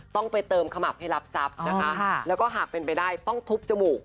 ต้องไปเติมขมับให้รับทรัพย์นะคะแล้วก็หากเป็นไปได้ต้องทุบจมูก